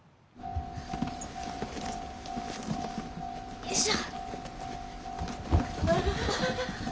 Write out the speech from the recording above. よいしょ！